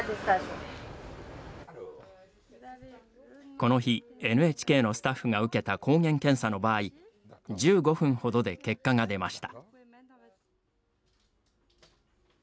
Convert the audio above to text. この日、ＮＨＫのスタッフが受けた抗原検査の場合１５分ほどで結果が出ました。